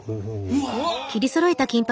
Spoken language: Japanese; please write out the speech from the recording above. うわ！